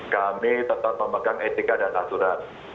kami tetap memegang etika dan aturan